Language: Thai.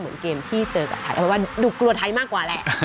หรือว่าดูกลัวไทยมากกว่าแหละ